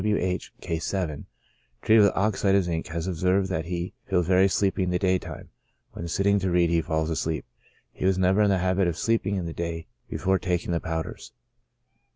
W. H —, (Case 7,) treated with oxide of zinc, has observed that he feels very sleepy in the day time ; when sitting to read he falls asleep ; he was never in the habit of sleeping in the day before taking the powders.